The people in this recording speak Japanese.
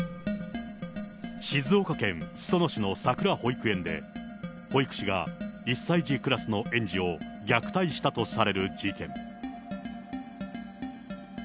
静岡県裾野市のさくら保育園で、保育士が１歳児クラスの園児を虐待したとされる事件。